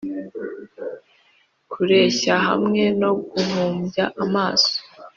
kureshya hamwe no guhumbya amaso